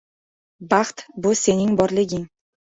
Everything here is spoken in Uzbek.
Baxt-bu sening borliging!